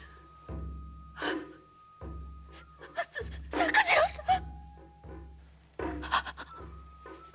作次郎さん⁉